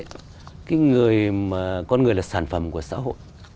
cái người con người là sản phẩm của xã hội